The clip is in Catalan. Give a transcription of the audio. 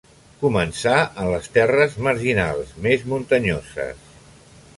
Començà en les terres marginals, més muntanyoses.